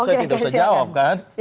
saya tidak usah jawab kan